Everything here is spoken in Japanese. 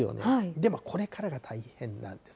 でもこれからが大変なんです。